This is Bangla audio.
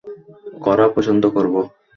করা পছন্দ করব।